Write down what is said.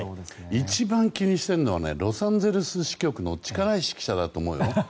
一番気にしてるのはロサンゼルス支局の力石記者だと思うよ。